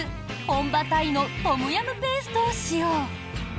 本場タイのトムヤムペーストを使用。